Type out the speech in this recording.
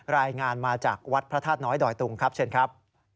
รายงานมาจากวัดพระธาตุน้อยดอยตุงครับเชิญครับ